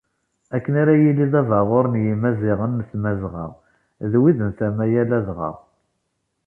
Akken ara yili d abaɣur i Yimaziɣen n Tmazɣa d wid n tama-a ladɣa.